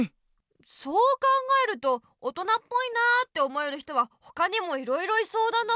そう考えると大人っぽいなって思える人はほかにもいろいろいそうだな。